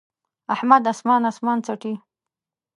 احمد اسمان اسمان څټي.